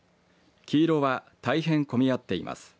黄色は大変込み合っています。